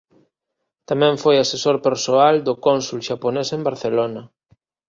Tamén foi asesor persoal do cónsul xaponés en Barcelona.